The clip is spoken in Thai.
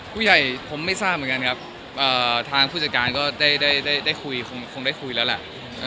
ผู้ใหญ่ผมไม่ทราบเหมือนกันครับทางผู้จัดการก็ได้คุยคงได้คุยแล้วแหละ